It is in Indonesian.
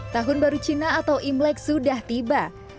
tahun baru cina atau imlek sudah tiba